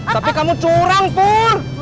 tapi kamu curang pur